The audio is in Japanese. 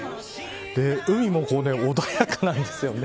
海も穏やかなんですよね。